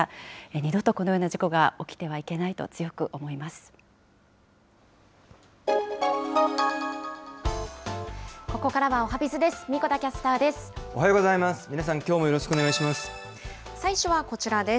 二度とこのような事故が起きてはここからはおはＢｉｚです。